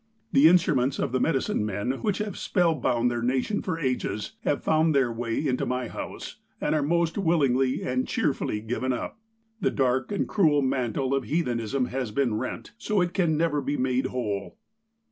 "The instruments of the medicine men, which have spell bound their nation for ages, have found their way into my house, and are most willingly and cheerfully given up. The dark and cruel mantle of heathenism has been rent, so it can never be made whole.